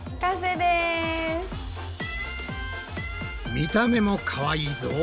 見た目もかわいいぞ。